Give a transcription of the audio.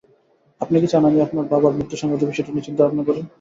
আপনি কি চান আমি আপনার বাবার মৃত্যুসংক্রান্ত বিষয়টি নিয়ে চিন্তা-ভাবনা করি?